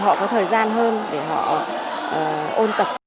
họ có thời gian hơn để họ ôn tập